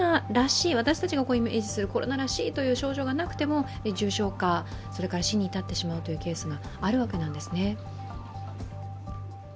私たちがイメージするコロナらしいという症状がなくても重症化、死に至ってしまうというケースがあるわけなんですね。